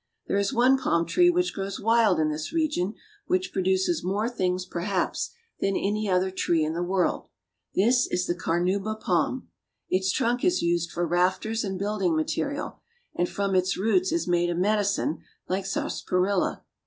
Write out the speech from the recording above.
298 BRAZIL. There is one palm tree which grows wild in this region which produces more things, perhaps, than any other tree in the world. This is the carnauba palm. Its trunk is used for rafters and building material, and from its roots is made a medicine like sarsaparilla.